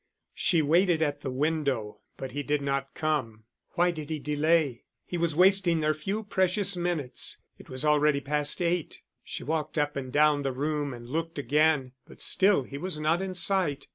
She waited at the window, but he did not come. Why did he delay? He was wasting their few precious minutes; it was already past eight. She walked up and down the room and looked again, but still he was not in sight.